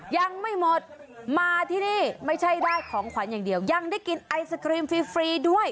ยังไม่หมดมาที่นี่ไม่ใช่ได้ของขวัญอย่างเดียวยังได้กินไอศครีมฟรีด้วย